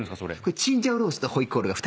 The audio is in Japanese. チンジャオロースとホイコーローが。